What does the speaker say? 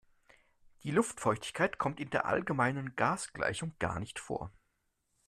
Die Luftfeuchtigkeit kommt in der allgemeinen Gasgleichung gar nicht vor.